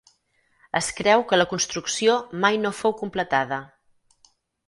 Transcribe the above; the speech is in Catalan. Es creu que la construcció mai no fou completada.